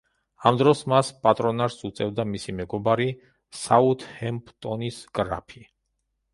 ამ დროს მას პატრონაჟს უწევდა მისი მეგობარი, საუთჰემპტონის გრაფი.